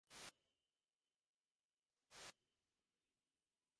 স্বামী তখনই শচীশের দিকে তাঁর পা ছড়াইয়া দিলেন।